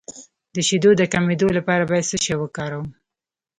د شیدو د کمیدو لپاره باید څه شی وکاروم؟